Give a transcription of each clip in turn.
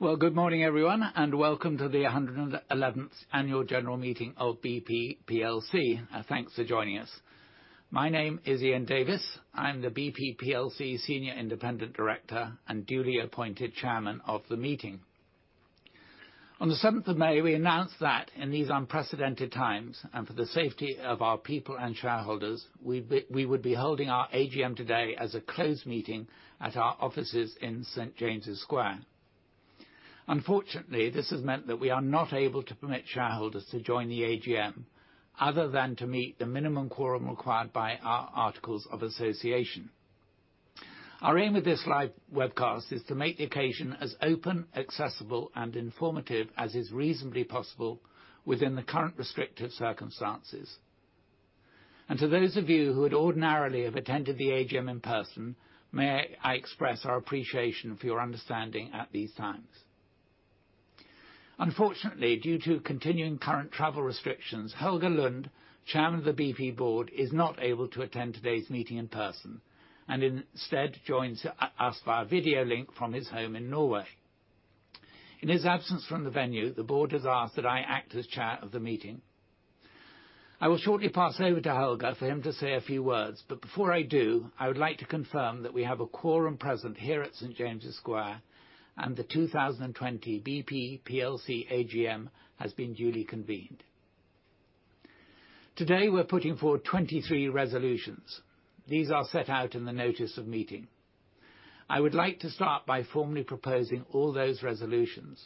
Good morning, everyone, welcome to the 111th Annual General Meeting of BP PLC. Thanks for joining us. My name is Ian Davis. I'm the BP PLC Senior Independent Director and duly appointed Chairman of the meeting. On the 7th of May, we announced that in these unprecedented times, and for the safety of our people and shareholders, we would be holding our AGM today as a closed meeting at our offices in St. James's Square. Unfortunately, this has meant that we are not able to permit shareholders to join the AGM, other than to meet the minimum quorum required by our articles of association. Our aim with this live webcast is to make the occasion as open, accessible, and informative as is reasonably possible within the current restrictive circumstances. To those of you who would ordinarily have attended the AGM in person, may I express our appreciation for your understanding at these times. Unfortunately, due to continuing current travel restrictions, Helge Lund, Chairman of the BP Board, is not able to attend today's meeting in person, and instead joins us via video link from his home in Norway. In his absence from the venue, the board has asked that I act as Chair of the meeting. I will shortly pass over to Helge for him to say a few words, but before I do, I would like to confirm that we have a quorum present here at St. James's Square, and the 2020 BP PLC AGM has been duly convened. Today, we're putting forward 23 resolutions. These are set out in the notice of meeting. I would like to start by formally proposing all those resolutions.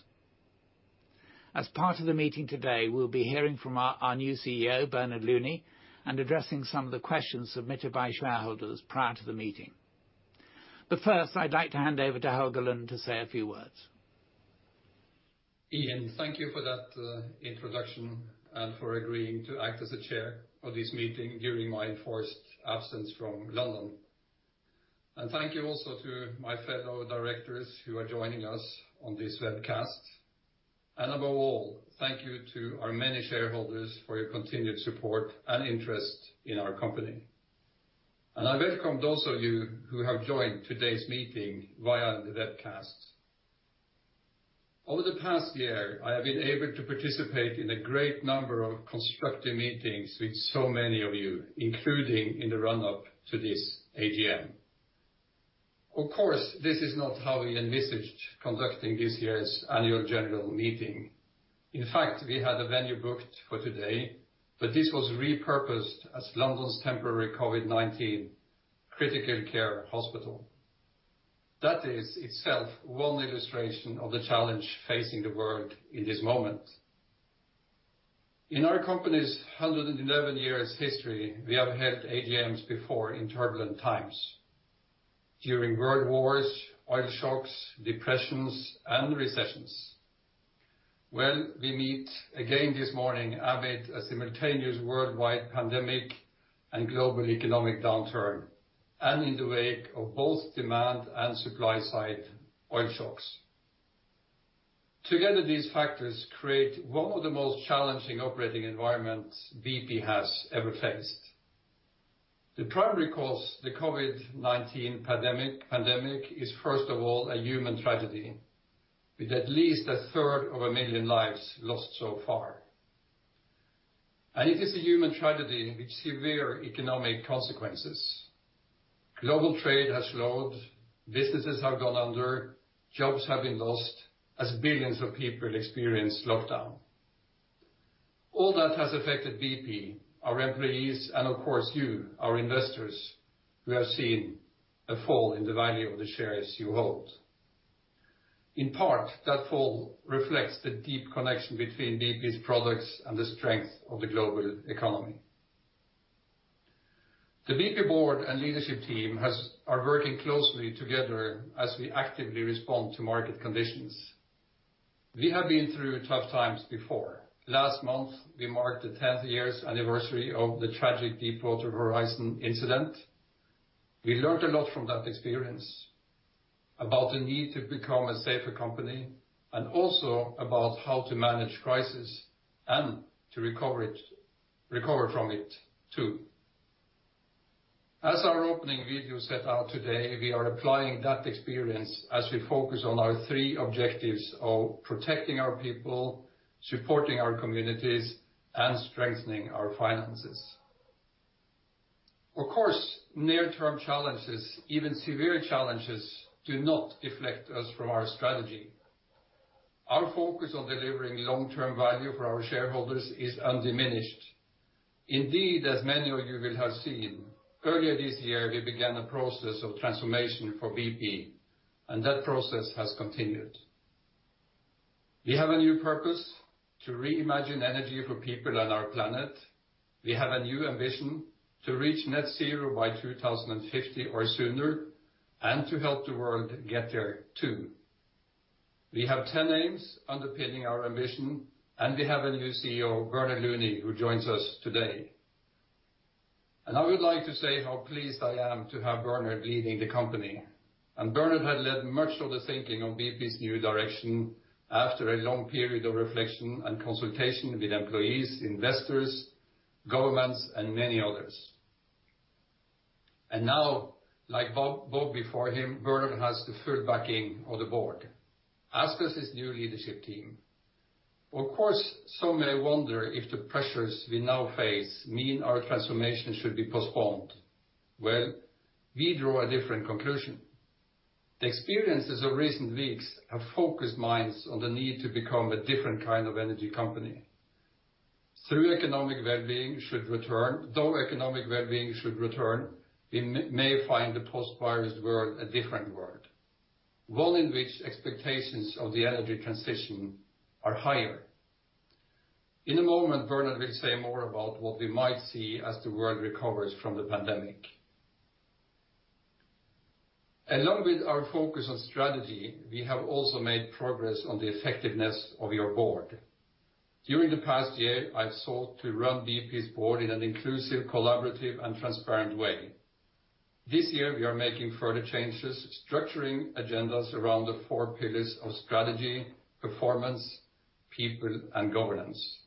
As part of the meeting today, we'll be hearing from our new Chief Executive Officer, Bernard Looney, and addressing some of the questions submitted by shareholders prior to the meeting. First, I'd like to hand over to Helge Lund to say a few words. Ian, thank you for that introduction and for agreeing to act as the Chair of this meeting during my enforced absence from London. Thank you also to my fellow directors who are joining us on this webcast. Above all, thank you to our many shareholders for your continued support and interest in our company. I welcome those of you who have joined today's meeting via the webcast. Over the past year, I have been able to participate in a great number of constructive meetings with so many of you, including in the run-up to this AGM. Of course, this is not how we envisaged conducting this year's annual general meeting. In fact, we had a venue booked for today, but this was repurposed as London's temporary COVID-19 critical care hospital. That is itself one illustration of the challenge facing the world in this moment. In our company's 111 years history, we have held AGMs before in turbulent times, during world wars, oil shocks, depressions, and recessions. Well, we meet again this morning amid a simultaneous worldwide pandemic and global economic downturn, and in the wake of both demand and supply-side oil shocks. Together, these factors create one of the most challenging operating environments BP has ever faced. The primary cause, the COVID-19 pandemic, is first of all, a human tragedy, with at least a third of a million lives lost so far. It is a human tragedy with severe economic consequences. Global trade has slowed, businesses have gone under, jobs have been lost, as billions of people experience lockdown. All that has affected BP, our employees, and of course you, our investors, who have seen a fall in the value of the shares you hold. In part, that fall reflects the deep connection between BP's products and the strength of the global economy. The BP board and leadership team are working closely together as we actively respond to market conditions. We have been through tough times before. Last month, we marked the 10th years anniversary of the tragic Deepwater Horizon incident. We learned a lot from that experience about the need to become a safer company, and also about how to manage crisis and to recover from it, too. As our opening video set out today, we are applying that experience as we focus on our three objectives of protecting our people, supporting our communities, and strengthening our finances. Of course, near-term challenges, even severe challenges, do not deflect us from our strategy. Our focus on delivering long-term value for our shareholders is undiminished. Indeed, as many of you will have seen, earlier this year, we began a process of transformation for BP, and that process has continued. We have a new purpose to reimagine energy for people and our planet. We have a new ambition to reach net zero by 2050 or sooner, and to help the world get there, too. We have 10 aims underpinning our ambition, and we have a new Chief Executive Officer, Bernard Looney, who joins us today. I would like to say how pleased I am to have Bernard leading the company. Bernard had led much of the thinking on BP's new direction after a long period of reflection and consultation with employees, investors, governments, and many others. Now, like Bob before him, Bernard has the full backing of the board, as does his new leadership team. Of course, some may wonder if the pressures we now face mean our transformation should be postponed. Well, we draw a different conclusion. The experiences of recent weeks have focused minds on the need to become a different kind of energy company. Though economic wellbeing should return, we may find the post-virus world a different world. One in which expectations of the energy transition are higher. In a moment, Bernard will say more about what we might see as the world recovers from the pandemic. Along with our focus on strategy, we have also made progress on the effectiveness of your board. During the past year, I've sought to run BP's board in an inclusive, collaborative, and transparent way. This year, we are making further changes, structuring agendas around the four pillars of strategy, performance, people, and governance.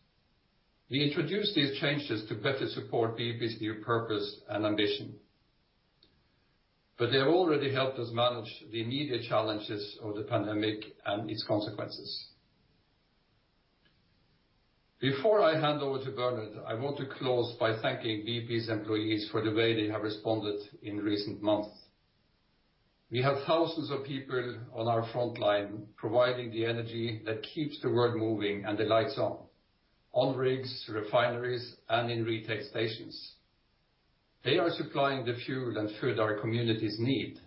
We introduced these changes to better support BP's new purpose and ambition. They have already helped us manage the immediate challenges of the pandemic and its consequences. Before I hand over to Bernard, I want to close by thanking BP's employees for the way they have responded in recent months. We have thousands of people on our frontline providing the energy that keeps the world moving and the lights on rigs, refineries, and in retail stations. They are supplying the fuel and food our communities need,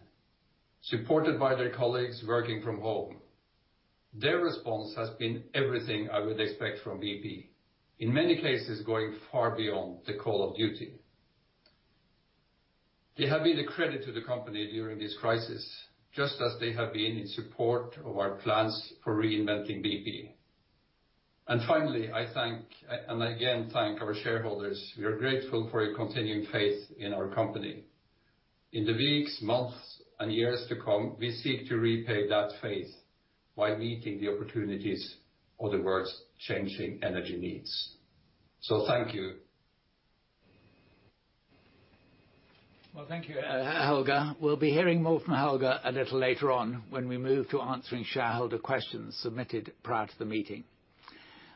supported by their colleagues working from home. Their response has been everything I would expect from BP. In many cases, going far beyond the call of duty. They have been a credit to the company during this crisis, just as they have been in support of our plans for reinventing BP. Finally, I again thank our shareholders. We are grateful for your continuing faith in our company. In the weeks, months, and years to come, we seek to repay that faith while meeting the opportunities of the world's changing energy needs. Thank you. Well, thank you, Helge. We'll be hearing more from Helge a little later on when we move to answering shareholder questions submitted prior to the meeting.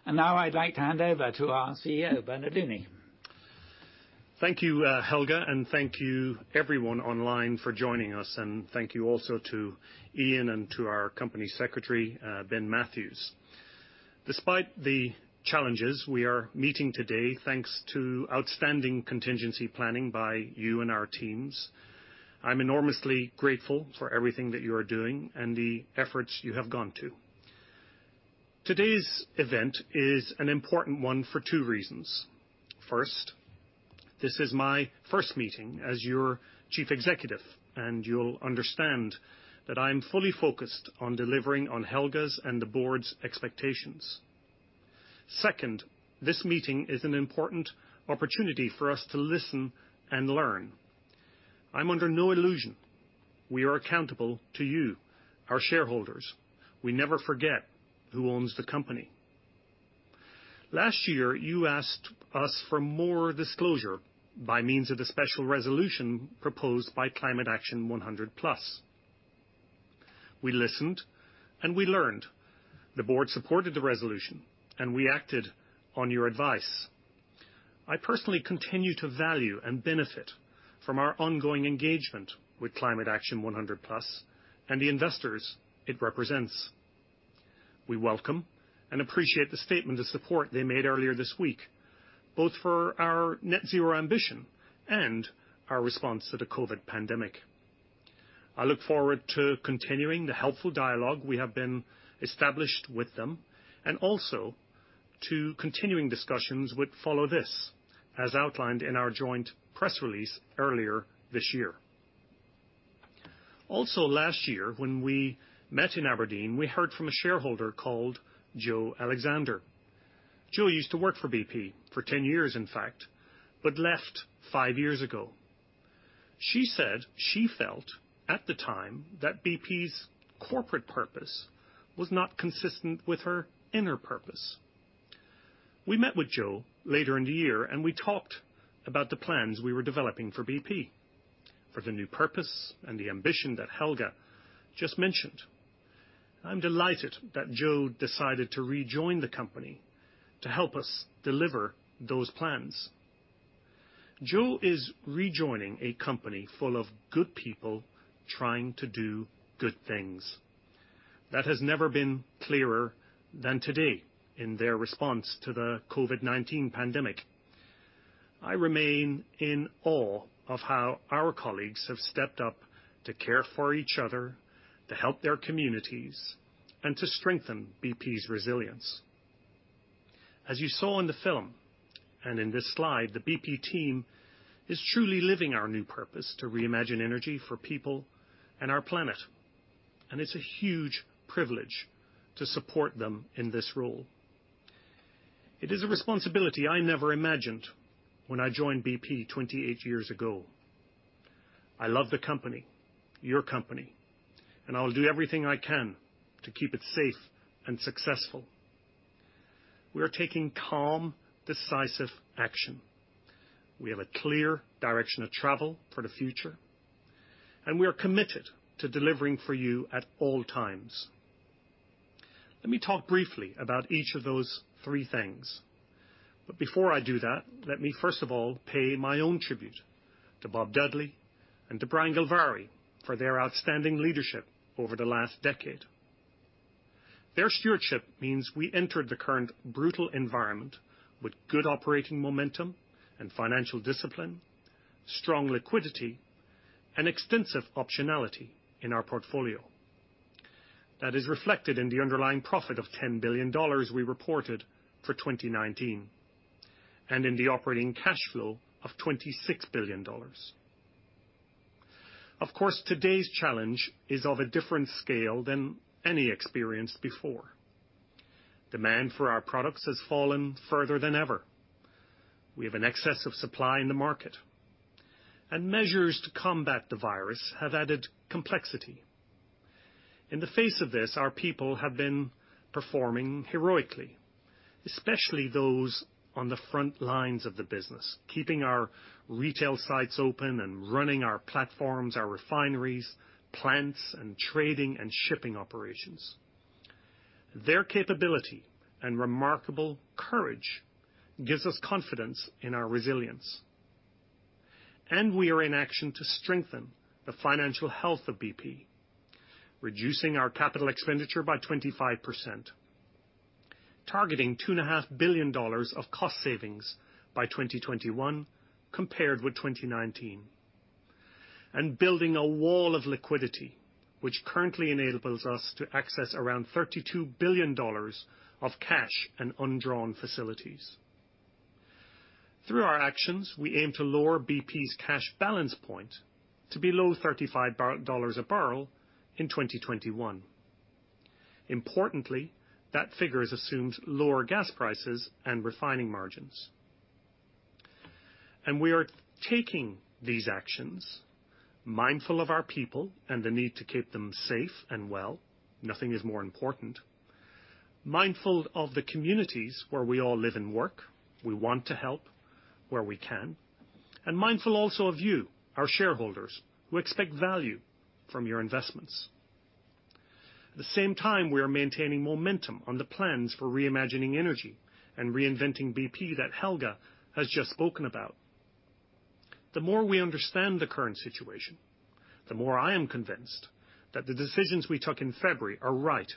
Now I'd like to hand over to our Chief Executive Officer, Bernard Looney. Thank you, Helge, and thank you everyone online for joining us. Thank you also to Ian and to our Company Secretary, Ben Mathews. Despite the challenges, we are meeting today thanks to outstanding contingency planning by you and our teams. I'm enormously grateful for everything that you are doing and the efforts you have gone to. Today's event is an important one for two reasons. First, this is my first meeting as your Chief Executive, and you'll understand that I'm fully focused on delivering on Helge's and the board's expectations. Second, this meeting is an important opportunity for us to listen and learn. I'm under no illusion. We are accountable to you, our shareholders. We never forget who owns the company. Last year, you asked us for more disclosure by means of the special resolution proposed by Climate Action 100+. We listened, and we learned. The board supported the resolution. We acted on your advice. I personally continue to value and benefit from our ongoing engagement with Climate Action 100+ and the investors it represents. We welcome and appreciate the statement of support they made earlier this week, both for our net zero ambition and our response to the COVID pandemic. I look forward to continuing the helpful dialogue we have been established with them and also to continuing discussions with Follow This, as outlined in our joint press release earlier this year. Last year, when we met in Aberdeen, we heard from a shareholder called Jo Alexander. Jo used to work for BP for 10 years, in fact, but left five years ago. She said she felt at the time that BP's corporate purpose was not consistent with her inner purpose. We met with Jo later in the year, and we talked about the plans we were developing for BP, for the new purpose and the ambition that Helge just mentioned. I'm delighted that Jo decided to rejoin the company to help us deliver those plans. Jo is rejoining a company full of good people trying to do good things. That has never been clearer than today in their response to the COVID-19 pandemic. I remain in awe of how our colleagues have stepped up to care for each other, to help their communities, and to strengthen BP's resilience. As you saw in the film, and in this slide, the BP team is truly living our new purpose to reimagine energy for people and our planet, and it's a huge privilege to support them in this role. It is a responsibility I never imagined when I joined BP 28 years ago. I love the company, your company, and I'll do everything I can to keep it safe and successful. We are taking calm, decisive action. We have a clear direction of travel for the future, and we are committed to delivering for you at all times. Let me talk briefly about each of those three things. Before I do that, let me first of all pay my own tribute to Bob Dudley and to Brian Gilvary for their outstanding leadership over the last decade. Their stewardship means we entered the current brutal environment with good operating momentum and financial discipline, strong liquidity, and extensive optionality in our portfolio. That is reflected in the underlying profit of $10 billion we reported for 2019 and in the operating cash flow of $26 billion. Of course, today's challenge is of a different scale than any experienced before. Demand for our products has fallen further than ever. Measures to combat the virus have added complexity. In the face of this, our people have been performing heroically, especially those on the front lines of the business, keeping our retail sites open and running our platforms, our refineries, plants, and trading and shipping operations. Their capability and remarkable courage gives us confidence in our resilience. We are in action to strengthen the financial health of BP, reducing our capital expenditure by 25%, targeting $2.5 billion of cost savings by 2021 compared with 2019, and building a wall of liquidity, which currently enables us to access around $32 billion of cash and undrawn facilities. Through our actions, we aim to lower BP's cash balance point to below $35 a bbl in 2021. Importantly, that figure assumes lower gas prices and refining margins. We are taking these actions mindful of our people and the need to keep them safe and well. Nothing is more important. Mindful of the communities where we all live and work. We want to help where we can. Mindful also of you, our shareholders, who expect value from your investments. At the same time, we are maintaining momentum on the plans for reimagining energy and reinventing BP that Helge has just spoken about. The more we understand the current situation, the more I am convinced that the decisions we took in February are right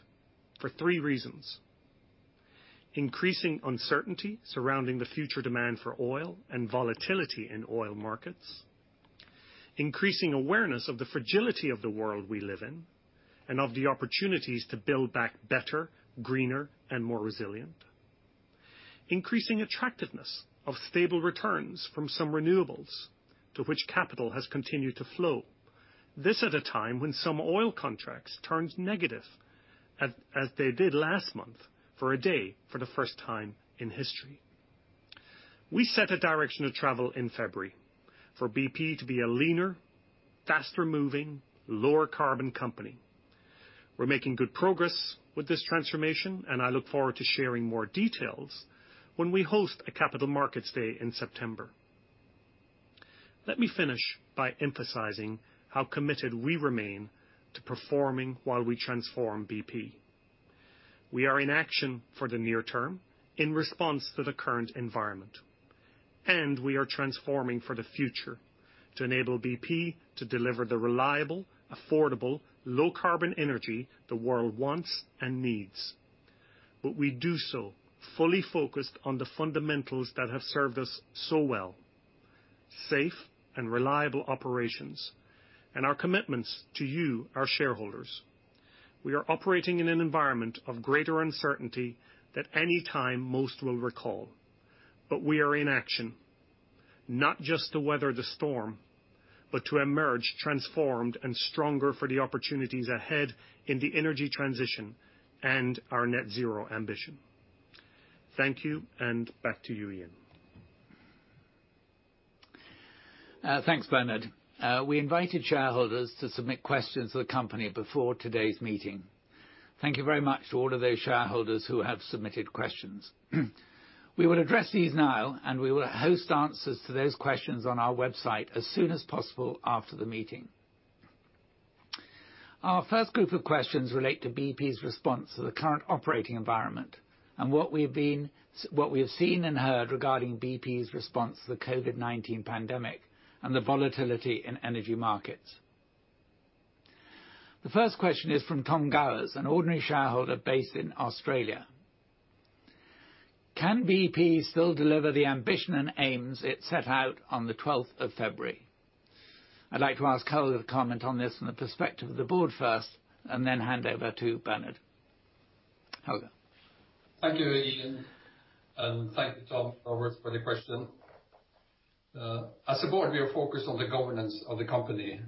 for three reasons. Increasing uncertainty surrounding the future demand for oil and volatility in oil markets. Increasing awareness of the fragility of the world we live in, and of the opportunities to build back better, greener, and more resilient. Increasing attractiveness of stable returns from some renewables, to which capital has continued to flow. This at a time when some oil contracts turned negative, as they did last month, for a day, for the first time in history. We set a direction of travel in February for BP to be a leaner, faster-moving, lower-carbon company. We're making good progress with this transformation. I look forward to sharing more details when we host a Capital Markets Day in September. Let me finish by emphasizing how committed we remain to performing while we transform BP. We are in action for the near term in response to the current environment. We are transforming for the future to enable BP to deliver the reliable, affordable, low-carbon energy the world wants and needs. We do so fully focused on the fundamentals that have served us so well, safe and reliable operations, and our commitments to you, our shareholders. We are operating in an environment of greater uncertainty than any time most will recall. We are in action, not just to weather the storm, but to emerge transformed and stronger for the opportunities ahead in the energy transition and our net zero ambition. Thank you, and back to you, Ian. Thanks, Bernard. We invited shareholders to submit questions to the company before today's meeting. Thank you very much to all of those shareholders who have submitted questions. We will address these now. We will host answers to those questions on our website as soon as possible after the meeting. Our first group of questions relate to BP's response to the current operating environment, and what we have seen and heard regarding BP's response to the COVID-19 pandemic and the volatility in energy markets. The first question is from Tom Gowers, an ordinary shareholder based in Australia. Can BP still deliver the ambition and aims it set out on the 12th of February? I'd like to ask Helge to comment on this from the perspective of the board first, and then hand over to Bernard. Helge. Thank you, Ian, and thank you, Tom Gowers, for the question. As a board, we are focused on the governance of the company,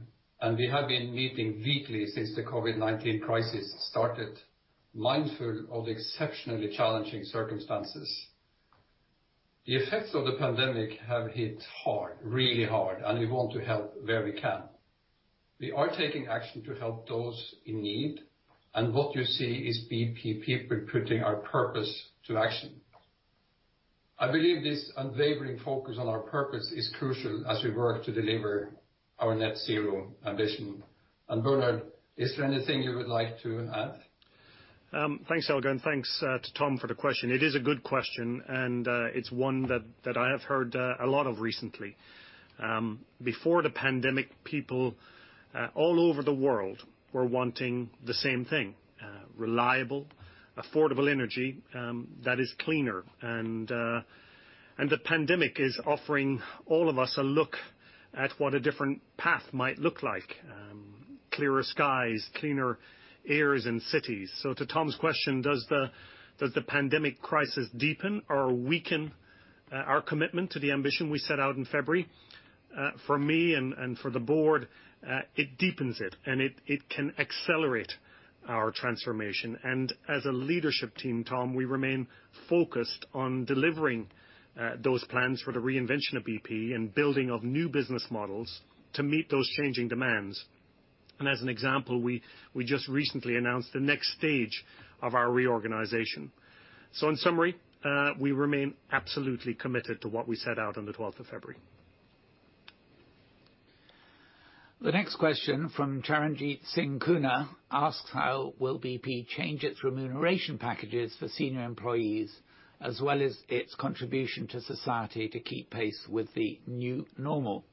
and we have been meeting weekly since the COVID-19 crisis started, mindful of the exceptionally challenging circumstances. The effects of the pandemic have hit hard, really hard, and we want to help where we can. We are taking action to help those in need, and what you see is BP people putting our purpose to action. I believe this unwavering focus on our purpose is crucial as we work to deliver our net zero ambition. Bernard, is there anything you would like to add? Thanks, Helge, and thanks to Tom for the question. It is a good question, and it's one that I have heard a lot of recently. Before the pandemic, people all over the world were wanting the same thing, reliable, affordable energy that is cleaner. The pandemic is offering all of us a look at what a different path might look like, clearer skies, cleaner airs in cities. To Tom's question, does the pandemic crisis deepen or weaken our commitment to the ambition we set out in February? For me and for the board, it deepens it, and it can accelerate our transformation. As a leadership team, Tom, we remain focused on delivering those plans for the reinvention of BP and building of new business models to meet those changing demands. As an example, we just recently announced the next stage of our reorganization. In summary, we remain absolutely committed to what we set out on the 12th of February. The next question from Charanjit Singh Kuna asks how will BP change its remuneration packages for senior employees, as well as its contribution to society to keep pace with the new normal?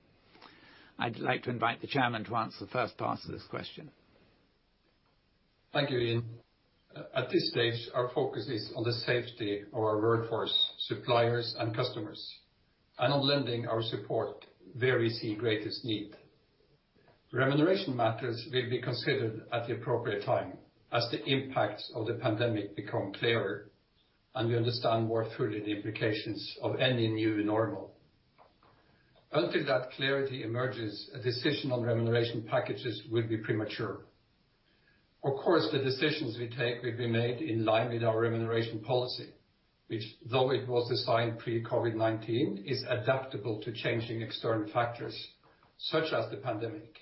I'd like to invite the chairman to answer the first part of this question. Thank you, Ian. At this stage, our focus is on the safety of our workforce, suppliers, and customers, and on lending our support where we see greatest need. Remuneration matters will be considered at the appropriate time, as the impacts of the pandemic become clearer and we understand more fully the implications of any new normal. Until that clarity emerges, a decision on remuneration packages would be premature. Of course, the decisions we take will be made in line with our remuneration policy, which though it was designed pre-COVID-19, is adaptable to changing external factors such as the pandemic.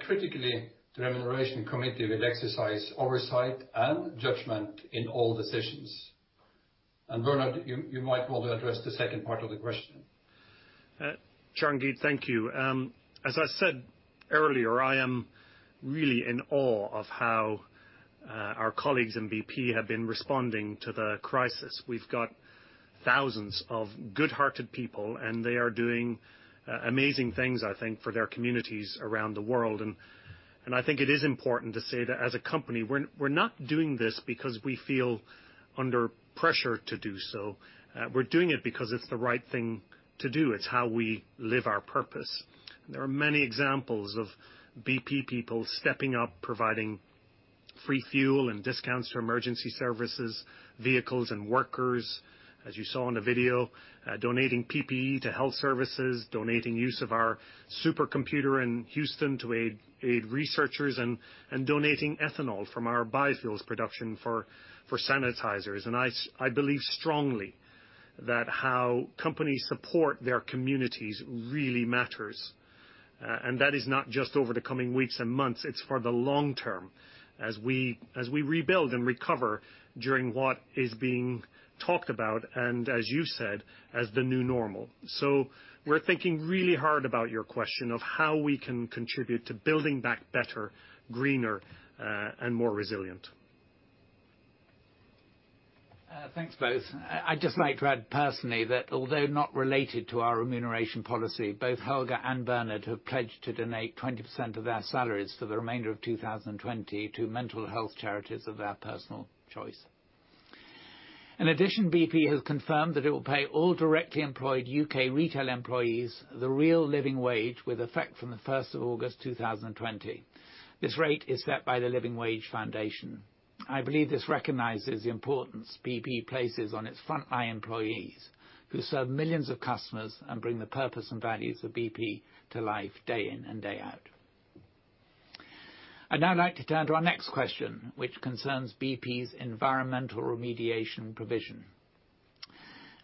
Critically, the remuneration committee will exercise oversight and judgment in all decisions. Bernard, you might want to address the second part of the question. Charanjit, thank you. As I said earlier, I am really in awe of how our colleagues in BP have been responding to the crisis. We've got thousands of good-hearted people, and they are doing amazing things, I think, for their communities around the world, and I think it is important to say that as a company, we're not doing this because we feel under pressure to do so. We're doing it because it's the right thing to do. It's how we live our purpose. There are many examples of BP people stepping up, providing free fuel and discounts to emergency services, vehicles, and workers. As you saw in the video, donating PPE to health services, donating use of our supercomputer in Houston to aid researchers, and donating ethanol from our biofuels production for sanitizers. I believe strongly that how companies support their communities really matters. That is not just over the coming weeks and months, it's for the long term, as we rebuild and recover during what is being talked about, and as you said, as the new normal. We're thinking really hard about your question of how we can contribute to building back better, greener, and more resilient. Thanks, both. I'd just like to add personally that although not related to our remuneration policy, both Helge and Bernard have pledged to donate 20% of their salaries for the remainder of 2020 to mental health charities of their personal choice. In addition, BP has confirmed that it will pay all directly employed U.K. retail employees the real living wage with effect from the 1st of August 2020. This rate is set by the Living Wage Foundation. I believe this recognizes the importance BP places on its frontline employees, who serve millions of customers and bring the purpose and values of BP to life day in and day out. I'd now like to turn to our next question, which concerns BP's environmental remediation provision.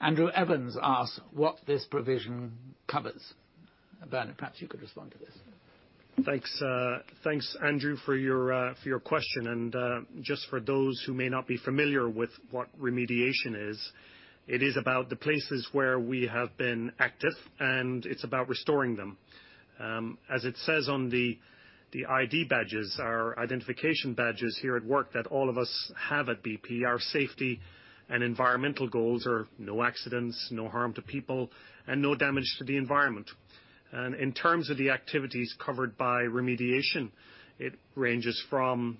Andrew Evans asks what this provision covers. Bernard, perhaps you could respond to this. Thanks, Andrew, for your question. Just for those who may not be familiar with what remediation is, it is about the places where we have been active, and it's about restoring them. As it says on the ID badges, our identification badges here at work that all of us have at BP, our safety and environmental goals are no accidents, no harm to people, and no damage to the environment. In terms of the activities covered by remediation, it ranges from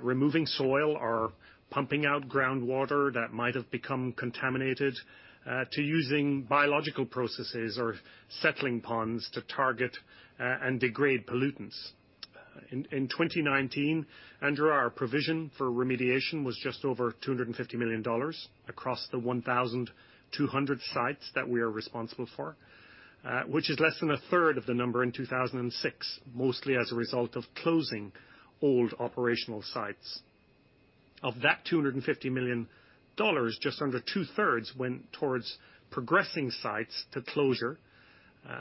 removing soil or pumping out groundwater that might have become contaminated, to using biological processes or settling ponds to target and degrade pollutants. In 2019, Andrew, our provision for remediation was just over $250 million across the 1,200 sites that we are responsible for, which is less than a third of the number in 2006, mostly as a result of closing old operational sites. Of that $250 million, just under 2/3 went towards progressing sites to closure.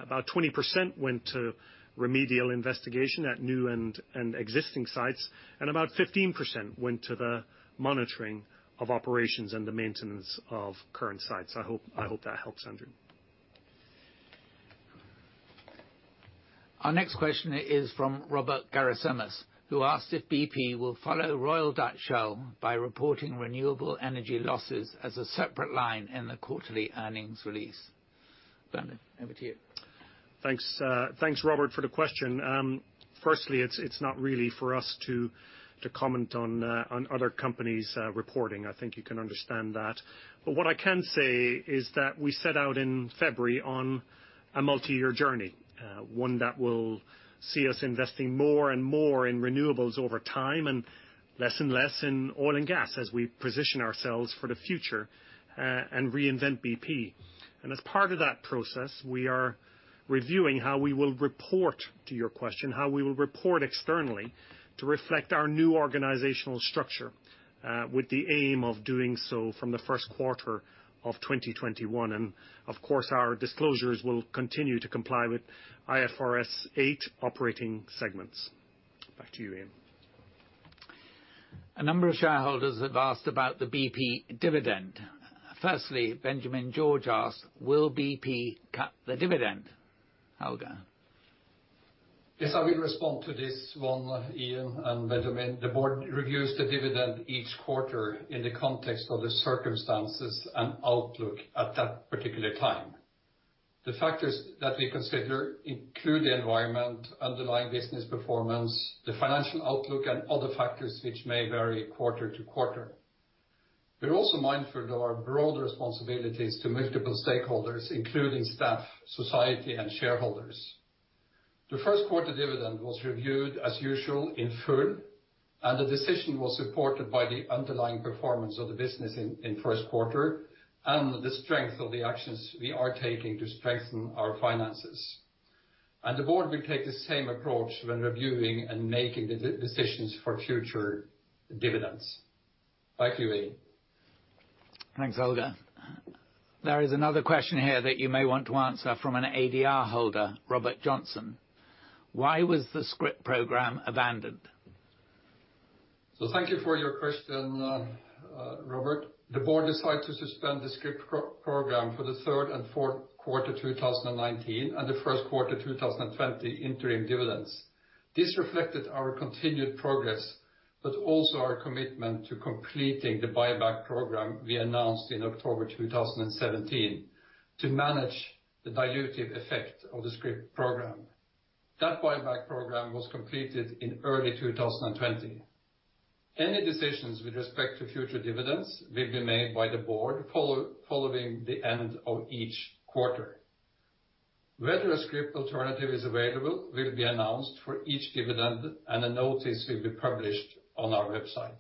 About 20% went to remedial investigation at new and existing sites, and about 15% went to the monitoring of operations and the maintenance of current sites. I hope that helps, Andrew. Our next question is from Robert Garasimas, who asked if BP will follow Royal Dutch Shell by reporting renewable energy losses as a separate line in the quarterly earnings release. Bernard, over to you. Thanks. Thanks, Robert, for the question. Firstly, it's not really for us to comment on other companies' reporting. What I can say is that we set out in February on a multi-year journey, one that will see us investing more and more in renewables over time and less and less in oil and gas as we position ourselves for the future, and reinvent BP. As part of that process, we are reviewing how we will report, to your question, how we will report externally to reflect our new organizational structure, with the aim of doing so from the first quarter of 2021. Of course, our disclosures will continue to comply with IFRS 8 Operating Segments. Back to you, Ian. A number of shareholders have asked about the BP dividend. Firstly, Benjamin George asked, will BP cut the dividend? Helge. Yes, I will respond to this one, Ian and Benjamin. The board reviews the dividend each quarter in the context of the circumstances and outlook at that particular time. The factors that we consider include the environment, underlying business performance, the financial outlook, and other factors which may vary quarter to quarter. We're also mindful of our broad responsibilities to multiple stakeholders, including staff, society, and shareholders. The first quarter dividend was reviewed as usual in full, and the decision was supported by the underlying performance of the business in first quarter, and the strength of the actions we are taking to strengthen our finances. The board will take the same approach when reviewing and making decisions for future dividends. Thank you, Ian. Thanks, Helge. There is another question here that you may want to answer from an ADR holder, Robert Johnson. Why was the scrip program abandoned? Thank you for your question, Robert. The board decided to suspend the scrip program for the third and fourth quarter 2019, and the first quarter 2020 interim dividends. This reflected our continued progress, but also our commitment to completing the buyback program we announced in October 2017 to manage the dilutive effect of the scrip program. That buyback program was completed in early 2020. Any decisions with respect to future dividends will be made by the board following the end of each quarter. Whether a scrip alternative is available will be announced for each dividend, and a notice will be published on our website.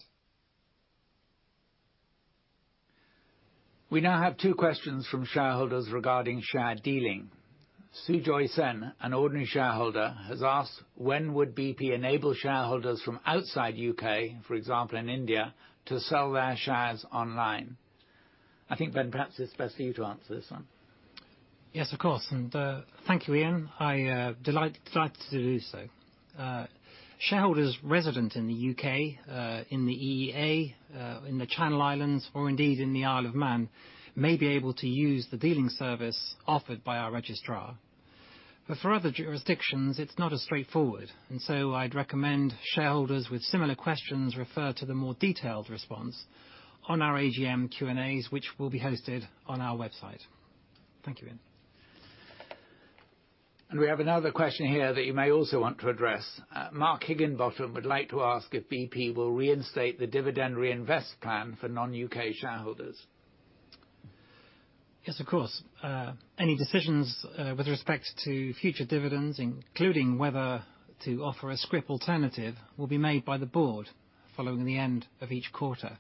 We now have two questions from shareholders regarding share dealing. Sujoy Sen, an ordinary shareholder, has asked, when would BP enable shareholders from outside U.K., for example, in India, to sell their shares online? I think, Ben, perhaps it's best for you to answer this one. Yes, of course. Thank you, Ian. I am delighted to do so. Shareholders resident in the U.K., in the EEA, in the Channel Islands or indeed in the Isle of Man, may be able to use the dealing service offered by our registrar. For other jurisdictions, it's not as straightforward. I'd recommend shareholders with similar questions refer to the more detailed response on our AGM Q&As, which will be hosted on our website. Thank you, Ian. We have another question here that you may also want to address. Mark Higginbottom would like to ask if BP will reinstate the dividend reinvest plan for non-U.K. shareholders. Yes, of course. Any decisions with respect to future dividends, including whether to offer a scrip alternative, will be made by the board following the end of each quarter.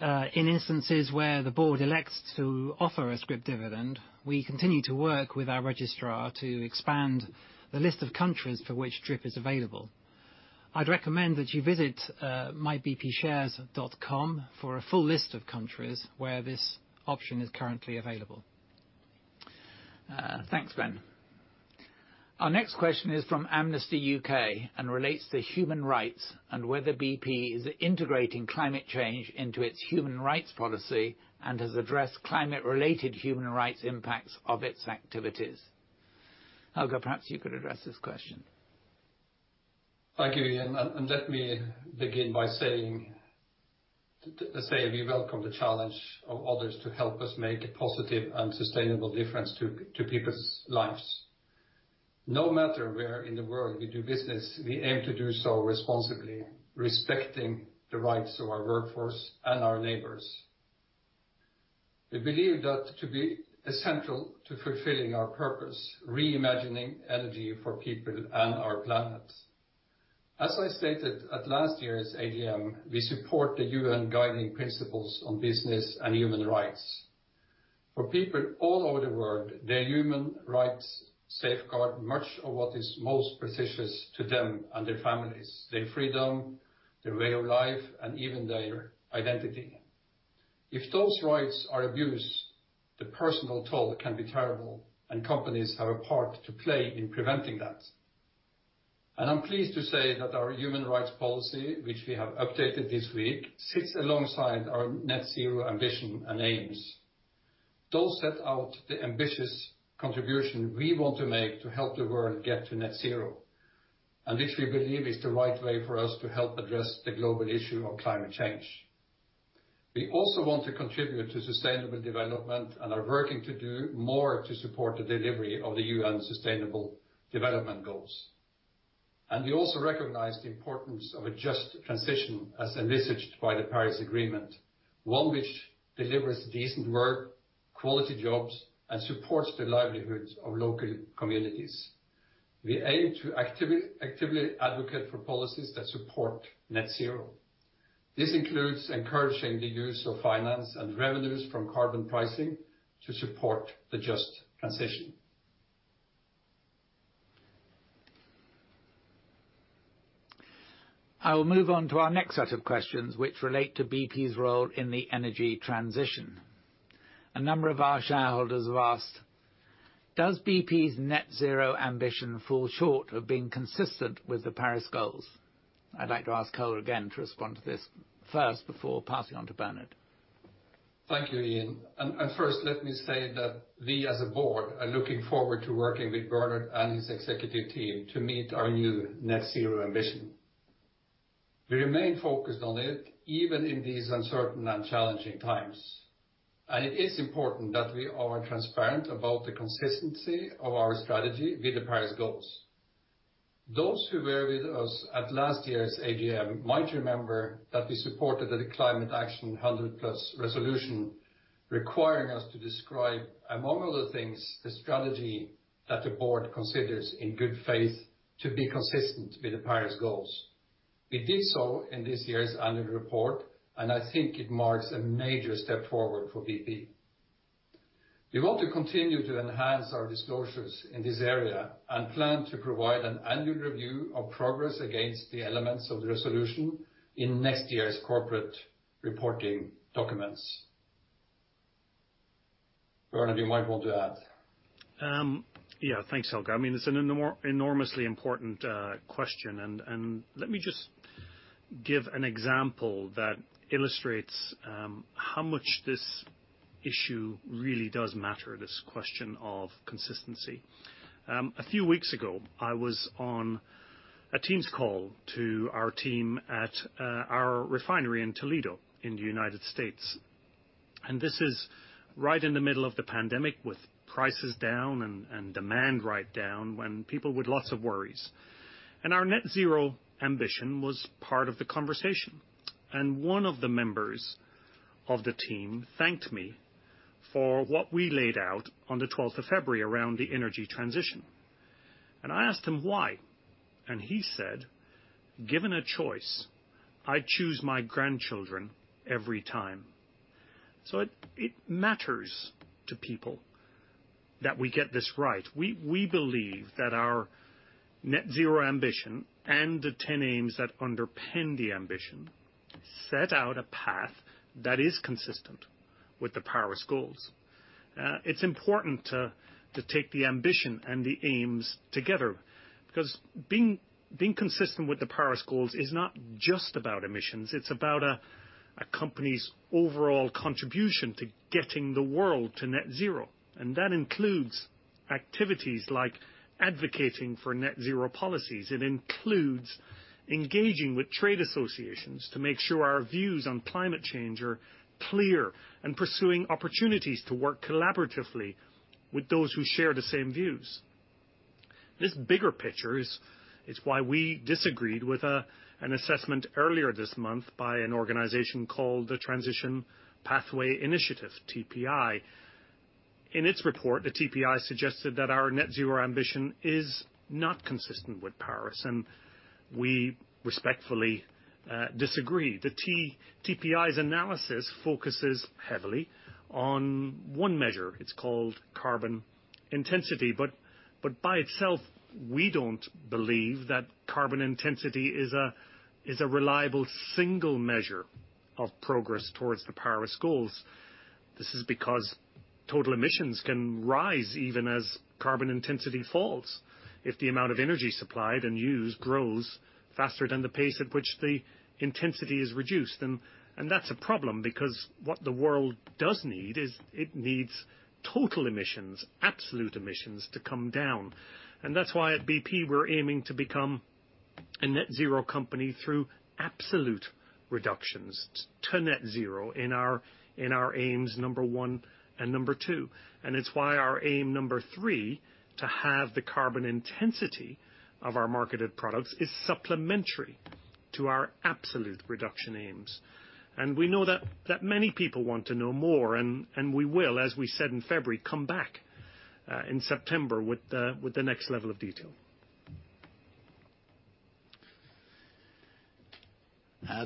In instances where the board elects to offer a scrip dividend, we continue to work with our registrar to expand the list of countries for which DRIP is available. I'd recommend that you visit mybpshares.com for a full list of countries where this option is currently available. Thanks, Ben. Our next question is from Amnesty U.K, and relates to human rights and whether BP is integrating climate change into its human rights policy and has addressed climate-related human rights impacts of its activities. Helge, perhaps you could address this question. Thank you, Ian. Let me begin by saying we welcome the challenge of others to help us make a positive and sustainable difference to people's lives. No matter where in the world we do business, we aim to do so responsibly, respecting the rights of our workforce and our neighbors. We believe that to be essential to fulfilling our purpose, reimagining energy for people and our planet. As I stated at last year's AGM, we support the UN Guiding Principles on Business and Human Rights. For people all over the world, their human rights safeguard much of what is most precious to them and their families, their freedom, their way of life, and even their identity. If those rights are abused, the personal toll can be terrible, and companies have a part to play in preventing that. I'm pleased to say that our human rights policy, which we have updated this week, sits alongside our net zero ambition and aims. Those set out the ambitious contribution we want to make to help the world get to net zero, and which we believe is the right way for us to help address the global issue of climate change. We also want to contribute to sustainable development and are working to do more to support the delivery of the UN Sustainable Development Goals. We also recognize the importance of a just transition as envisaged by the Paris Agreement, one which delivers decent work, quality jobs, and supports the livelihoods of local communities. We aim to actively advocate for policies that support net zero. This includes encouraging the use of finance and revenues from carbon pricing to support the just transition. I will move on to our next set of questions, which relate to BP's role in the energy transition. A number of our shareholders have asked, does BP's net zero ambition fall short of being consistent with the Paris goals? I'd like to ask Helge again to respond to this first before passing on to Bernard. Thank you, Ian. First, let me say that we, as a board, are looking forward to working with Bernard and his executive team to meet our new net zero ambition. We remain focused on it, even in these uncertain and challenging times. It is important that we are transparent about the consistency of our strategy with the Paris goals. Those who were with us at last year's AGM might remember that we supported the Climate Action 100+ resolution requiring us to describe, among other things, the strategy that the board considers in good faith to be consistent with the Paris goals. We did so in this year's annual report, and I think it marks a major step forward for BP. We want to continue to enhance our disclosures in this area and plan to provide an annual review of progress against the elements of the resolution in next year's corporate reporting documents. Bernard, you might want to add. Yeah. Thanks, Helge. It's an enormously important question, and let me just give an example that illustrates how much this issue really does matter, this question of consistency. A few weeks ago, I was on a Teams call to our team at our refinery in Toledo in the U.S. This is right in the middle of the pandemic with prices down and demand right down, when people with lots of worries. Our net zero ambition was part of the conversation. One of the members of the team thanked me for what we laid out on the 12th of February around the energy transition. I asked him why, and he said, "Given a choice, I'd choose my grandchildren every time." It matters to people that we get this right. We believe that our net zero ambition and the 10 aims that underpin the ambition set out a path that is consistent with the Paris goals. It's important to take the ambition and the aims together, because being consistent with the Paris goals is not just about emissions, it's about a company's overall contribution to getting the world to net zero. That includes activities like advocating for net zero policies. It includes engaging with trade associations to make sure our views on climate change are clear, and pursuing opportunities to work collaboratively with those who share the same views. This bigger picture is why we disagreed with an assessment earlier this month by an organization called the Transition Pathway Initiative, TPI. In its report, the TPI suggested that our net zero ambition is not consistent with Paris, and we respectfully disagree. The TPI's analysis focuses heavily on one measure. It's called carbon intensity. By itself, we don't believe that carbon intensity is a reliable single measure of progress towards the Paris goals. This is because total emissions can rise even as carbon intensity falls if the amount of energy supplied and used grows faster than the pace at which the intensity is reduced. That's a problem because what the world does need is it needs total emissions, absolute emissions to come down. That's why at BP, we're aiming to become a net zero company through absolute reductions to net zero in our aims number one and number two. It's why our aim number three, to halve the carbon intensity of our marketed products, is supplementary to our absolute reduction aims. We know that many people want to know more, and we will, as we said in February, come back in September with the next level of detail.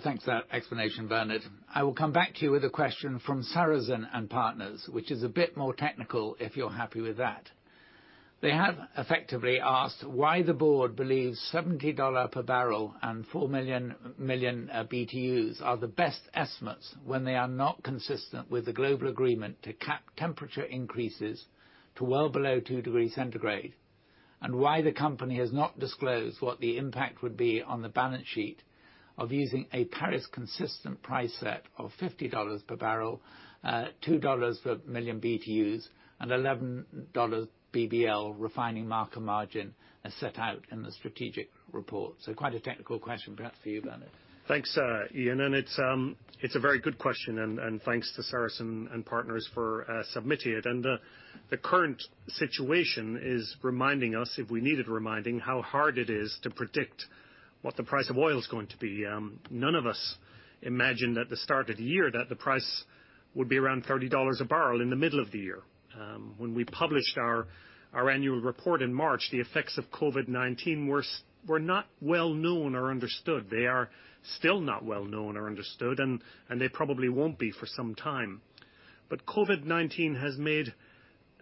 Thanks for that explanation, Bernard. I will come back to you with a question from Sarasin & Partners, which is a bit more technical, if you're happy with that. They have effectively asked why the board believes $70 per bbl and 4 million BTUs are the best estimates when they are not consistent with the global agreement to cap temperature increases to well below two degrees centigrade, and why the company has not disclosed what the impact would be on the balance sheet of using a Paris-consistent price set of $50 per bbl, $2 per million BTUs, and $11 bbl refining marker margin as set out in the strategic report. Quite a technical question, perhaps for you, Bernard. Thanks, Ian. It's a very good question, and thanks to Sarasin & Partners for submitting it. The current situation is reminding us, if we needed reminding, how hard it is to predict what the price of oil is going to be. None of us imagined at the start of the year that the price would be around $30 a barrel in the middle of the year. When we published our annual report in March, the effects of COVID-19 were not well-known or understood. They are still not well-known or understood, and they probably won't be for some time. COVID-19 has made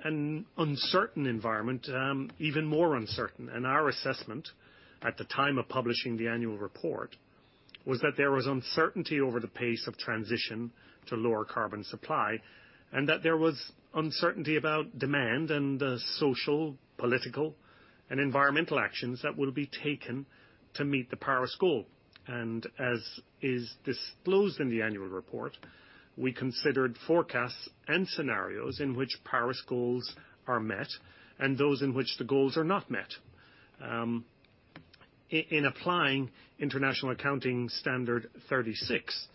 an uncertain environment even more uncertain, our assessment at the time of publishing the annual report was that there was uncertainty over the pace of transition to lower carbon supply. There was uncertainty about demand and the social, political, and environmental actions that will be taken to meet the Paris goals. As is disclosed in the annual report, we considered forecasts and scenarios in which Paris goals are met and those in which the goals are not met. In applying International Accounting Standard 36,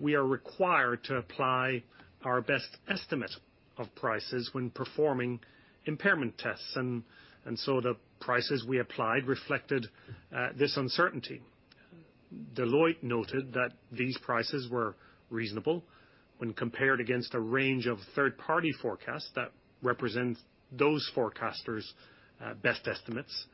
we are required to apply our best estimate of prices when performing impairment tests. The prices we applied reflected this uncertainty. Deloitte noted that these prices were reasonable when compared against a range of third-party forecasts that represent those forecasters' best estimates.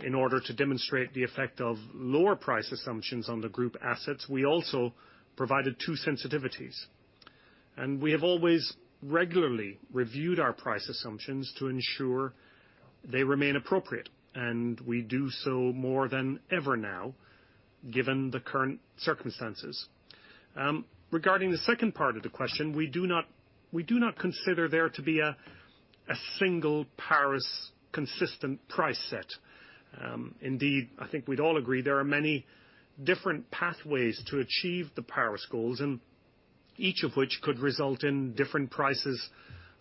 In order to demonstrate the effect of lower price assumptions on the group assets, we also provided two sensitivities. We have always regularly reviewed our price assumptions to ensure they remain appropriate, and we do so more than ever now, given the current circumstances. Regarding the second part of the question, we do not consider there to be a single Paris consistent price set. Indeed, I think we'd all agree there are many different pathways to achieve the Paris goals, and each of which could result in different prices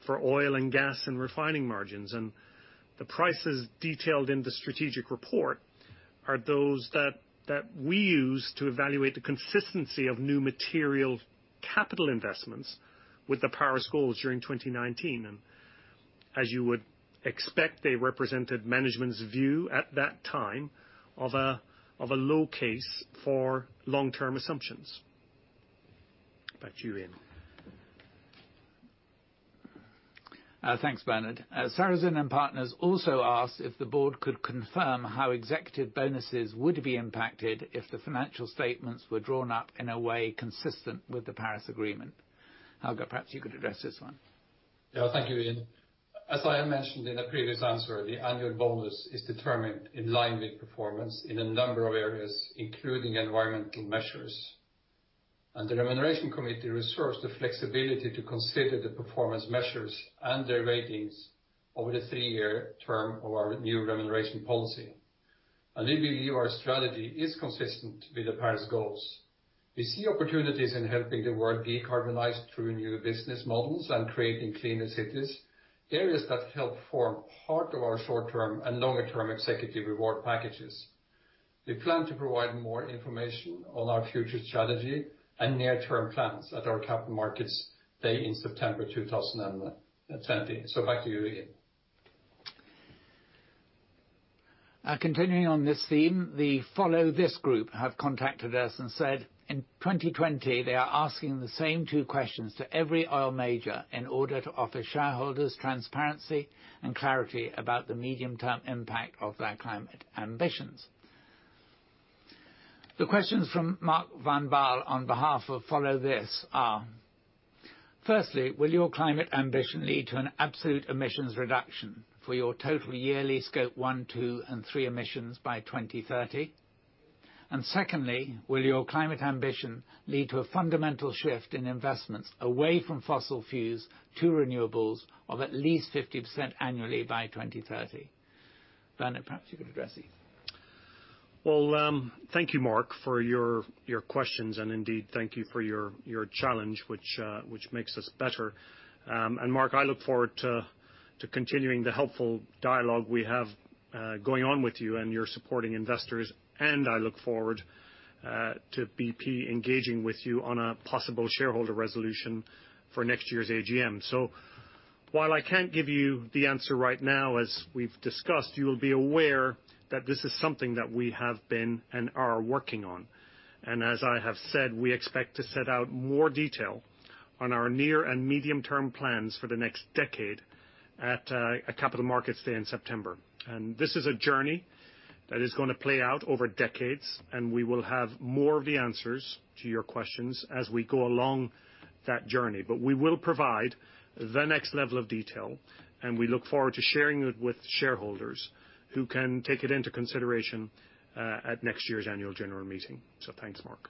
for oil and gas and refining margins. The prices detailed in the strategic report are those that we use to evaluate the consistency of new material capital investments with the Paris goals during 2019. As you would expect, they represented management's view at that time of a low case for long-term assumptions. Back to you, Ian. Thanks, Bernard. Sarasin & Partners also asked if the board could confirm how executive bonuses would be impacted if the financial statements were drawn up in a way consistent with the Paris Agreement. Helge, perhaps you could address this one. Yeah. Thank you, Ian. As I mentioned in a previous answer, the annual bonus is determined in line with performance in a number of areas, including environmental measures. The Remuneration Committee reserves the flexibility to consider the performance measures and their ratings over the three-year term of our new remuneration policy. We believe our strategy is consistent with the Paris goals. We see opportunities in helping the world decarbonize through new business models and creating cleaner cities, areas that help form part of our short-term and longer-term executive reward packages. We plan to provide more information on our future strategy and near-term plans at our Capital Markets Day in September 2020. Back to you, Ian. Continuing on this theme, Follow This have contacted us and said, In 2020 they are asking the same two questions to every oil major in order to offer shareholders transparency and clarity about the medium-term impact of their climate ambitions. The questions from Mark van Baal on behalf of Follow This are: firstly, will your climate ambition lead to an absolute emissions reduction for your total yearly Scope 1, Scope 2, and 3 emissions by 2030? Secondly, will your climate ambition lead to a fundamental shift in investments away from fossil fuels to renewables of at least 50% annually by 2030? Bernard, perhaps you could address these. Well, thank you, Mark, for your questions, and indeed thank you for your challenge, which makes us better. Mark, I look forward to continuing the helpful dialogue we have going on with you and your supporting investors, and I look forward to BP engaging with you on a possible shareholder resolution for next year's AGM. While I can't give you the answer right now, as we've discussed, you will be aware that this is something that we have been and are working on. As I have said, we expect to set out more detail on our near and medium-term plans for the next decade at Capital Markets Day in September. This is a journey that is going to play out over decades, and we will have more of the answers to your questions as we go along that journey. We will provide the next level of detail, and we look forward to sharing it with shareholders who can take it into consideration at next year's annual general meeting. Thanks, Mark.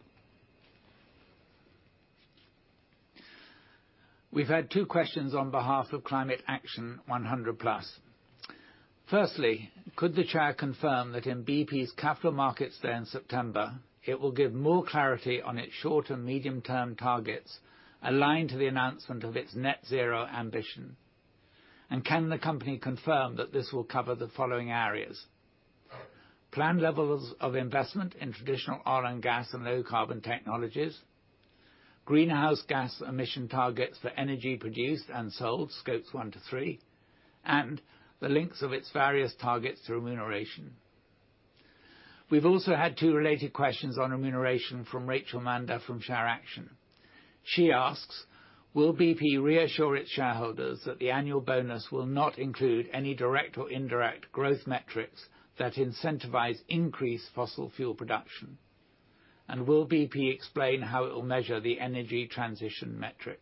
We've had two questions on behalf of Climate Action 100+. Firstly, could the chair confirm that in BP's Capital Markets Day in September, it will give more clarity on its short- and medium-term targets aligned to the announcement of its net zero ambition? Can the company confirm that this will cover the following areas? Planned levels of investment in traditional oil and gas and low-carbon technologies. Greenhouse gas emission targets for energy produced and sold, Scope 1, Scope 2, and Scope 3. The links of its various targets to remuneration. We've also had two related questions on remuneration from Rachel Mander from ShareAction. She asks, Will BP reassure its shareholders that the annual bonus will not include any direct or indirect growth metrics that incentivize increased fossil fuel production? Will BP explain how it will measure the energy transition metric?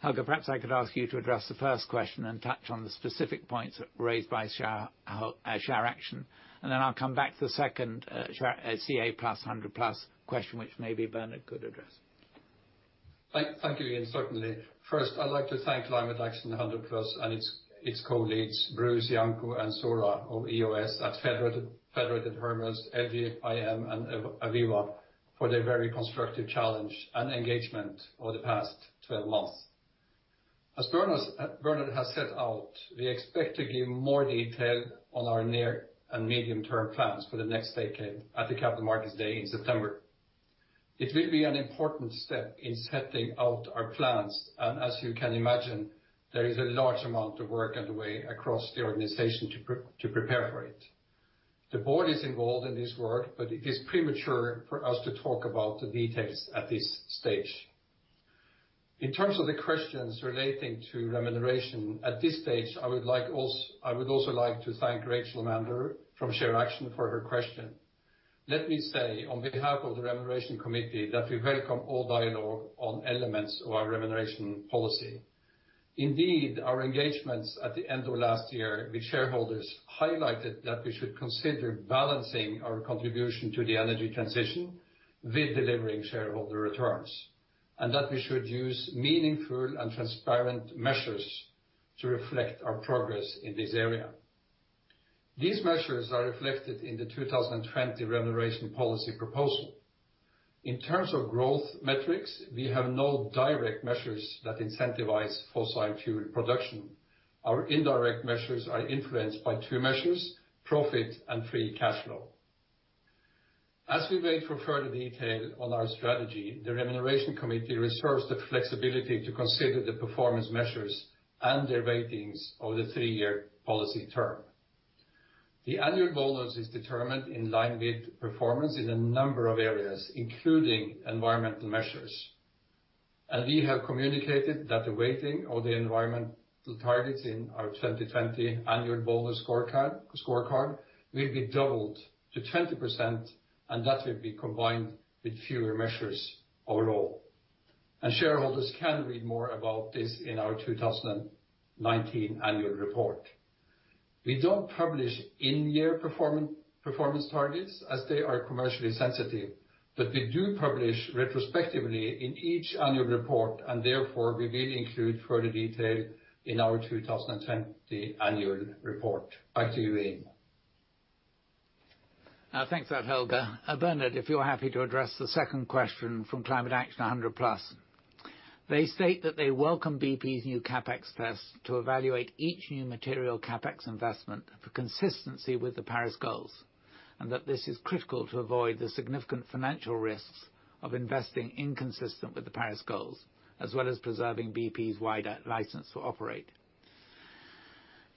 Helge, perhaps I could ask you to address the first question and touch on the specific points raised by ShareAction. Then I'll come back to the second Climate Action 100+ question, which maybe Bernard could address. Thank you Ian. Certainly. First, I'd like to thank Climate Action 100+ and its colleagues, Bruce Yanko and Sora of EOS at Federated Hermes, LGIM, and Aviva, for their very constructive challenge and engagement over the past 12 months. As Bernard has set out, we expect to give more detail on our near and medium-term plans for the next decade at the Capital Markets Day in September. It will be an important step in setting out our plans. As you can imagine, there is a large amount of work underway across the organization to prepare for it. The board is involved in this work. It is premature for us to talk about the details at this stage. In terms of the questions relating to remuneration, at this stage, I would also like to thank Rachel Mander from ShareAction for her question. Let me say, on behalf of the Remuneration Committee, that we welcome all dialogue on elements of our remuneration policy. Our engagements at the end of last year with shareholders highlighted that we should consider balancing our contribution to the energy transition with delivering shareholder returns, and that we should use meaningful and transparent measures to reflect our progress in this area. These measures are reflected in the 2020 remuneration policy proposal. In terms of growth metrics, we have no direct measures that incentivize fossil fuel production. Our indirect measures are influenced by two measures, profit and free cash flow. As we wait for further detail on our strategy, the Remuneration Committee reserves the flexibility to consider the performance measures and their ratings over the three-year policy term. The annual bonus is determined in line with performance in a number of areas, including environmental measures. We have communicated that the weighting of the environmental targets in our 2020 annual bonus scorecard will be doubled to 20%, and that will be combined with fewer measures overall. Shareholders can read more about this in our 2019 annual report. We don't publish in-year performance targets, as they are commercially sensitive. We do publish retrospectively in each annual report, and therefore, we will include further detail in our 2020 annual report. Back to you, Ian. Thanks for that, Helge. Bernard, if you're happy to address the second question from Climate Action 100+. They state that they welcome BP's new CapEx test to evaluate each new material CapEx investment for consistency with the Paris goals, and that this is critical to avoid the significant financial risks of investing inconsistent with the Paris goals, as well as preserving BP's wider license to operate.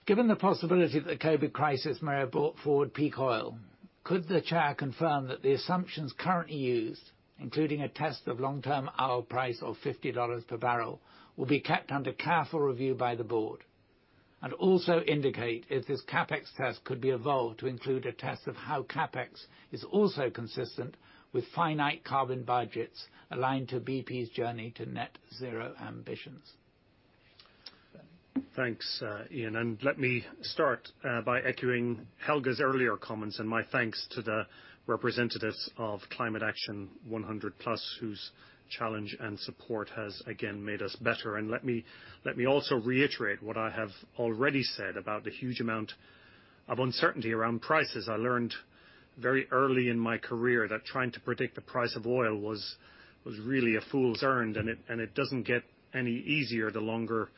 Given the possibility that the COVID crisis may have brought forward peak oil, could the chair confirm that the assumptions currently used, including a test of long-term oil price of $50 per bbl. Will be kept under careful review by the board? Also indicate if this CapEx test could be evolved to include a test of how CapEx is also consistent with finite carbon budgets aligned to BP's journey to net zero ambitions. Bernard. Thanks, Ian. Let me start by echoing Helge's earlier comments and my thanks to the representatives of Climate Action 100+, whose challenge and support has again made us better. Let me also reiterate what I have already said about the huge amount of uncertainty around prices. I learned very early in my career that trying to predict the price of oil was really a fool's errand, and it doesn't get any easier the longer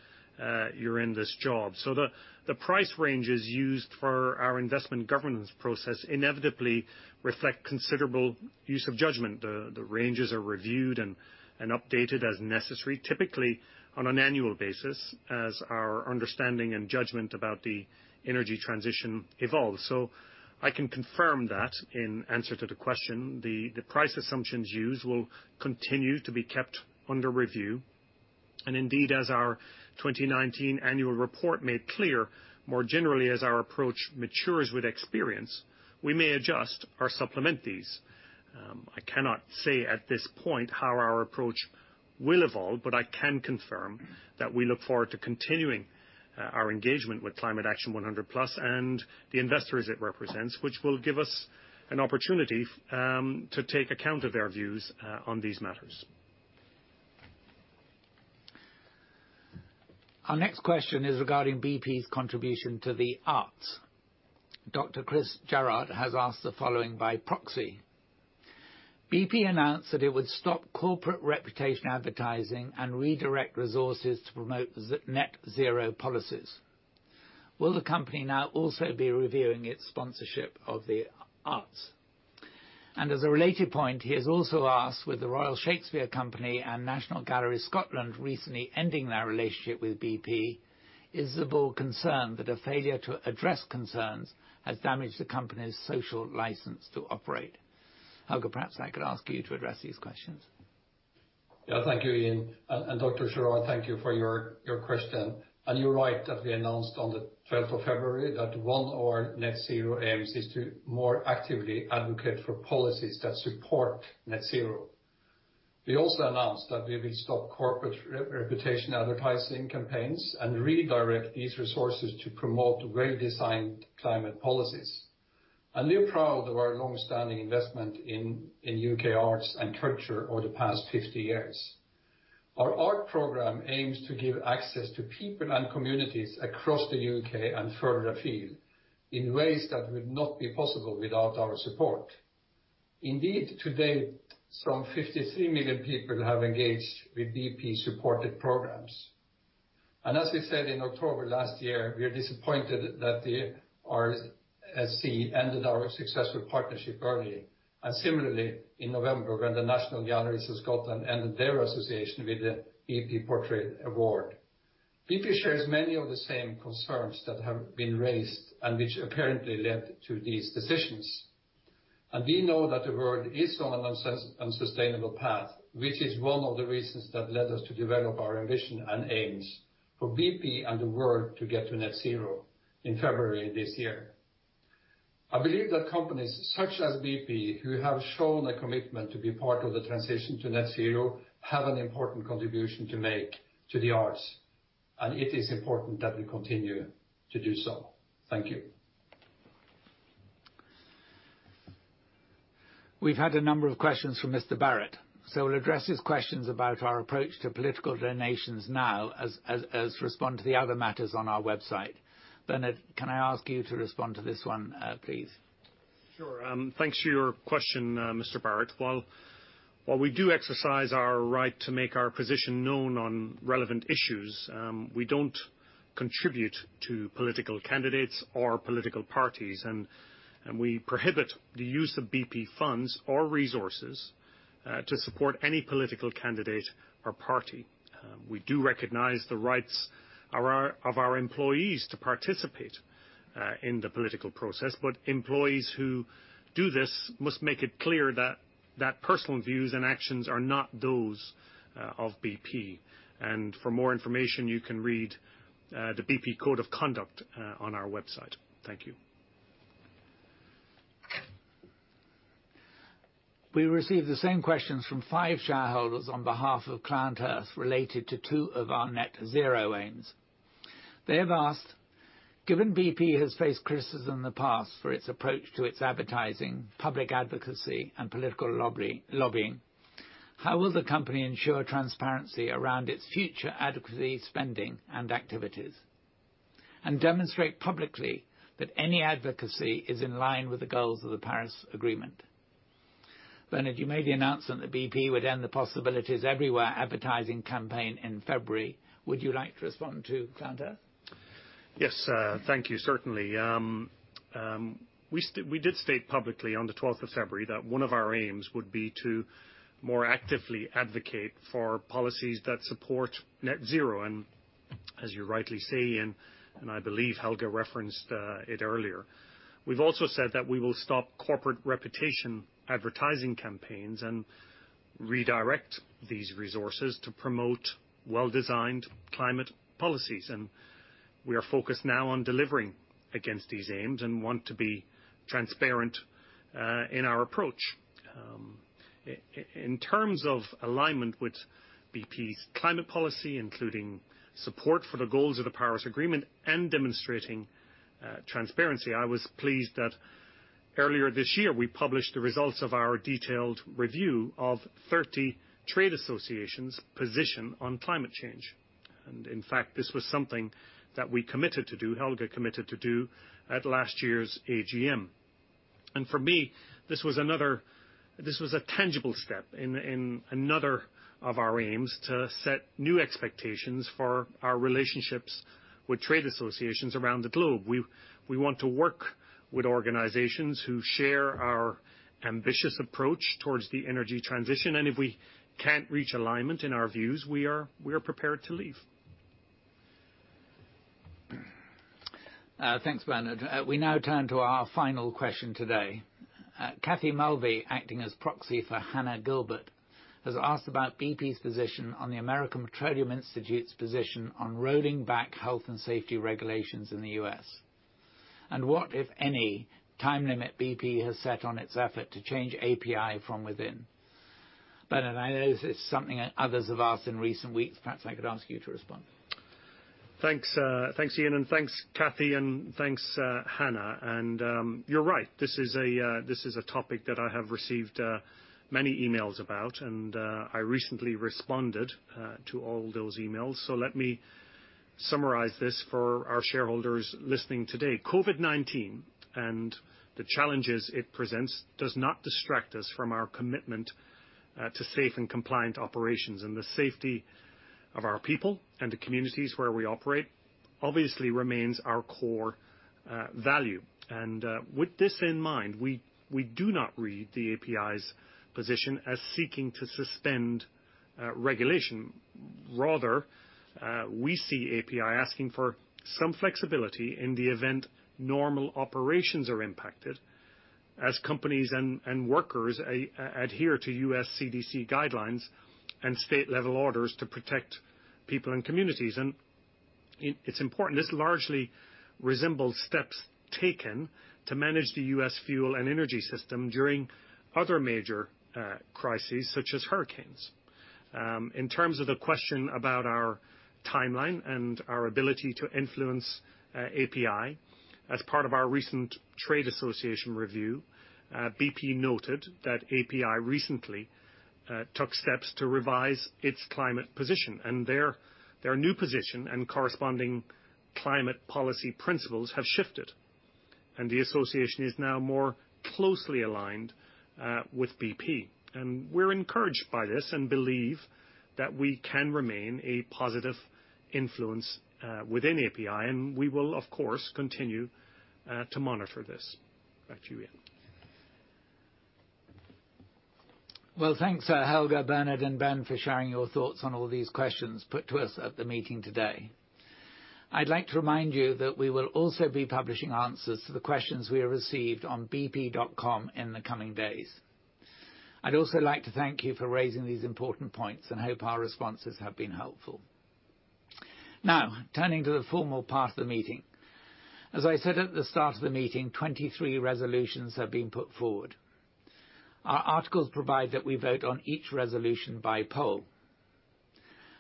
you're in this job. The price ranges used for our investment governance process inevitably reflect considerable use of judgment. The ranges are reviewed and updated as necessary, typically on an annual basis as our understanding and judgment about the energy transition evolves. I can confirm that in answer to the question, the price assumptions used will continue to be kept under review. Indeed, as our 2019 annual report made clear, more generally as our approach matures with experience, we may adjust or supplement these. I cannot say at this point how our approach will evolve, but I can confirm that we look forward to continuing our engagement with Climate Action 100+ and the investors it represents, which will give us an opportunity to take account of their views on these matters. Our next question is regarding BP's contribution to the arts. Dr. Chris Garrard has asked the following by proxy. BP announced that it would stop corporate reputation advertising and redirect resources to promote net zero policies. Will the company now also be reviewing its sponsorship of the arts? As a related point, he has also asked with the Royal Shakespeare Company and National Galleries of Scotland recently ending their relationship with BP, is the board concerned that a failure to address concerns has damaged the company's social license to operate? Helge, perhaps I could ask you to address these questions. Yeah. Thank you, Ian. Dr. Garrard, thank you for your question. You're right that we announced on the 12th of February that one of our net zero aims is to more actively advocate for policies that support net zero. We also announced that we will stop corporate reputation advertising campaigns and redirect these resources to promote well-designed climate policies. I'm really proud of our long-standing investment in U.K. arts and culture over the past 50 years. Our art program aims to give access to people and communities across the U.K. and further afield in ways that would not be possible without our support. Indeed, to date, some 53 million people have engaged with BP-supported programs. As we said in October last year, we are disappointed that the RSC ended our successful partnership early, and similarly, in November, when the National Galleries of Scotland ended their association with the BP Portrait Award. BP shares many of the same concerns that have been raised and which apparently led to these decisions. We know that the world is on an unsustainable path, which is one of the reasons that led us to develop our ambition and aims for BP and the world to get to net zero in February this year. I believe that companies such as BP, who have shown a commitment to be part of the transition to net zero, have an important contribution to make to the arts, and it is important that we continue to do so. Thank you. We've had a number of questions from Mr. Barrett, so we'll address his questions about our approach to political donations now as respond to the other matters on our website. Bernard, can I ask you to respond to this one, please? Sure. Thanks for your question, Mr. Barrett. While we do exercise our right to make our position known on relevant issues, we don't contribute to political candidates or political parties, and we prohibit the use of BP funds or resources to support any political candidate or party. We do recognize the rights of our employees to participate in the political process, but employees who do this must make it clear that personal views and actions are not those of BP. For more information, you can read the BP Code of Conduct on our website. Thank you. We received the same questions from five shareholders on behalf of ClientEarth related to two of our net zero aims. They have asked, "Given BP has faced criticism in the past for its approach to its advertising, public advocacy, and political lobbying, how will the company ensure transparency around its future advocacy spending and activities and demonstrate publicly that any advocacy is in line with the goals of the Paris Agreement?" Bernard, you made the announcement that BP would end the Possibilities Everywhere advertising campaign in February. Would you like to respond to ClientEarth? Yes. Thank you. Certainly. We did state publicly on the 12th of February that one of our aims would be to more actively advocate for policies that support net zero. As you rightly say, Ian, and I believe Helge referenced it earlier. We've also said that we will stop corporate reputation advertising campaigns and redirect these resources to promote well-designed climate policies. We are focused now on delivering against these aims and want to be transparent in our approach. In terms of alignment with BP's climate policy, including support for the goals of the Paris Agreement and demonstrating transparency, I was pleased that earlier this year we published the results of our detailed review of 30 trade associations' position on climate change. In fact, this was something that we committed to do, Helge committed to do at last year's AGM. For me, this was a tangible step in another of our aims to set new expectations for our relationships with trade associations around the globe. We want to work with organizations who share our ambitious approach towards the energy transition, and if we can't reach alignment in our views, we are prepared to leave. Thanks, Bernard. We now turn to our final question today. Kathy Mulvey, acting as proxy for Hannah Gilbert, has asked about BP's position on the American Petroleum Institute's position on rolling back health and safety regulations in the U.S. What, if any, time limit BP has set on its effort to change API from within. Bernard, I know this is something others have asked in recent weeks. Perhaps I could ask you to respond. Thanks, Ian, and thanks, Kathy, and thanks, Hannah. You're right. This is a topic that I have received many emails about, and I recently responded to all those emails. Let me summarize this for our shareholders listening today. COVID-19 and the challenges it presents does not distract us from our commitment to safe and compliant operations. The safety of our people and the communities where we operate obviously remains our core value. With this in mind, we do not read the API's position as seeking to suspend regulation. Rather, we see API asking for some flexibility in the event normal operations are impacted as companies and workers adhere to U.S. CDC guidelines and state-level orders to protect people and communities. It's important. This largely resembles steps taken to manage the U.S. fuel and energy system during other major crises, such as hurricanes. In terms of the question about our timeline and our ability to influence API, as part of our recent trade association review, BP noted that API recently took steps to revise its climate position. Their new position and corresponding climate policy principles have shifted, and the association is now more closely aligned with BP. We're encouraged by this and believe that we can remain a positive influence within API, and we will, of course, continue to monitor this. Back to you, Ian. Well, thanks, Helge, Bernard, and Ben for sharing your thoughts on all these questions put to us at the meeting today. I'd like to remind you that we will also be publishing answers to the questions we have received on bp.com in the coming days. I'd also like to thank you for raising these important points and hope our responses have been helpful. Now, turning to the formal part of the meeting. As I said at the start of the meeting, 23 resolutions have been put forward. Our articles provide that we vote on each resolution by poll.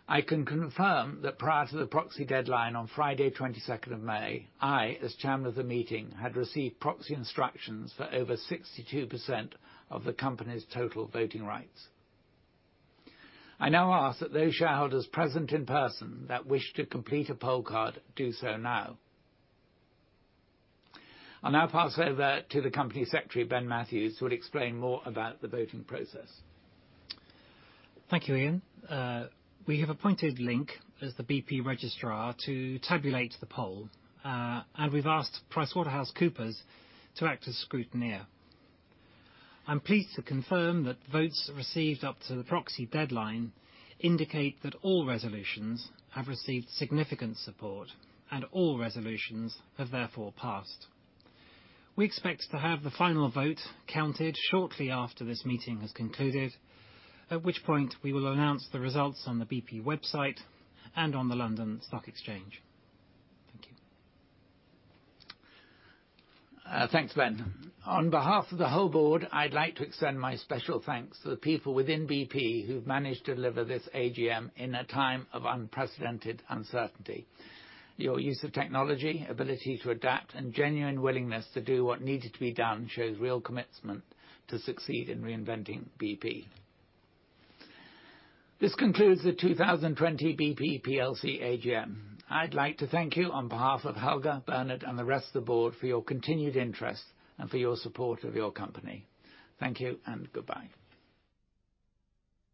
I can confirm that prior to the proxy deadline on Friday, 22nd of May, I, as Chairman of the meeting, had received proxy instructions for over 62% of the company's total voting rights. I now ask that those shareholders present in person that wish to complete a poll card, do so now. I'll now pass over to the Company Secretary, Ben Mathews, who will explain more about the voting process. Thank you, Ian. We have appointed Link as the BP registrar to tabulate the poll. We've asked PricewaterhouseCoopers to act as scrutineer. I'm pleased to confirm that votes received up to the proxy deadline indicate that all resolutions have received significant support, and all resolutions have therefore passed. We expect to have the final vote counted shortly after this meeting has concluded, at which point we will announce the results on the BP website and on the London Stock Exchange. Thank you. Thanks, Ben. On behalf of the whole board, I'd like to extend my special thanks to the people within BP who've managed to deliver this AGM in a time of unprecedented uncertainty. Your use of technology, ability to adapt, and genuine willingness to do what needed to be done shows real commitment to succeed in reinventing BP. This concludes the 2020 BP PLC AGM. I'd like to thank you on behalf of Helge, Bernard, and the rest of the board for your continued interest and for your support of your company. Thank you and goodbye.